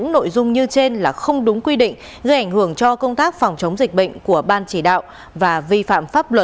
đòi ông nguyễn ngọc hòa ở xã hòa hải